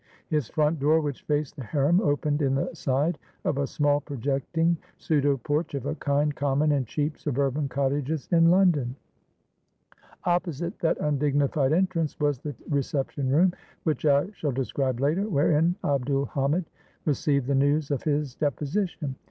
His front door, which faced the harem, opened in the side of a small, projecting pseudo porch of a kind common in cheap suburban cottages in London. Op posite that undignified entrance was the reception room, which I shall describe later, wherein Abd ul Hamid received the news of his deposition.